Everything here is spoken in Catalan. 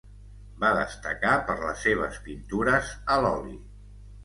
Va destacar per les seves pintures a l'oli.